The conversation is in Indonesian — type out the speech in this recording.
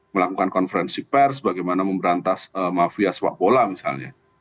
melakukan konferensi pers bagaimana memberantas mafia sepak bola misalnya